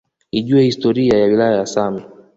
Ijue historia ya wilaya ya same